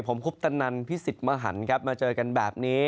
ผมคุปตนันพิสิทธิ์มหันครับมาเจอกันแบบนี้